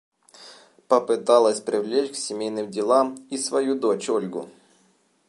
Попыталась привлечь к семейным делам и свою дочь Ольгу.